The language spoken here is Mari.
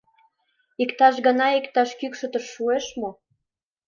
— Иктаж гана иктаж кӱкшытыш шуэш мо?